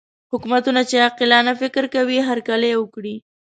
حکومتونه چې عاقلانه فکر کوي هرکلی وکړي.